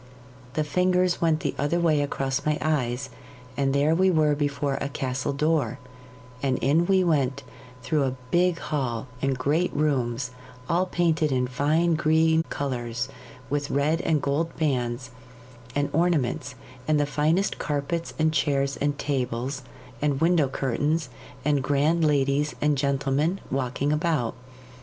The fingers went the other way across my eyes, and there we were before a castle door, and in we went through a big hall and great rooms all painted in fine green colours, with red and gold bands and ornaments, and the finest carpets and chairs and tables and window curtains, and grand ladies and gentlemen walking about.